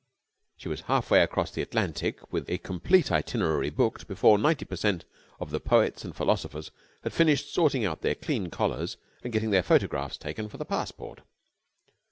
She was half way across the Atlantic with a complete itinerary booked before 90 per cent. of the poets and philosophers had finished sorting out their clean collars and getting their photographs taken for the passport.